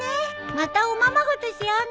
またおままごとしようね。